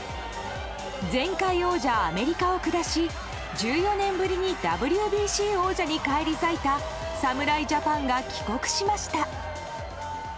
前回王者アメリカを下し１４年ぶりにＷＢＣ王者に返り咲いた侍ジャパンが帰国しました。